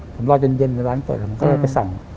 ผมรอจนเย็นในร้านเปิดผมก็เลยไปสั่ง